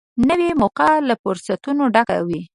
نوې موقعه له فرصتونو ډکه وي